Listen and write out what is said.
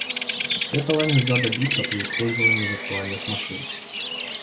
Этого нельзя добиться при использовании виртуальных машин